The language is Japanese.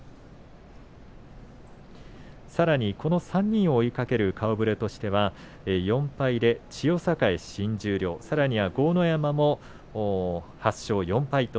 この３人を追いかける顔ぶれとしては４敗で千代栄、新十両さらに豪ノ山も４敗。